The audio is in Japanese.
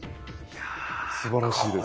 すばらしいです。